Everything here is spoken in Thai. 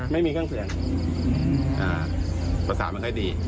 ไม่มีกลางเตืองภาษามันให้ดี